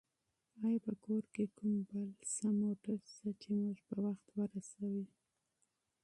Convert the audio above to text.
آیا په کور کې کوم بل فعال موټر شته چې موږ په وخت ورسېږو؟